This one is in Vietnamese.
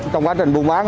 trong quá trình buôn bán